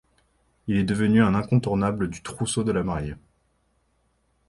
Il est devenu un incontournable du trousseau de la mariée.